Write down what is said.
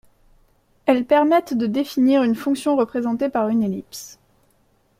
Elles permettent de définir une fonction représentée par une ellipse.